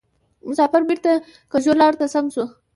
مسافر بیرته کږو لارو ته سم سو